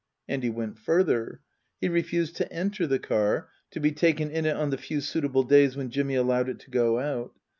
And he went further. He refused to enter the car, to be taken in it on the few suitable days when Jimmy allowed it to go out.